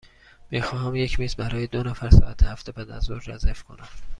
می خواهم یک میز برای دو نفر ساعت هفت بعدازظهر رزرو کنم.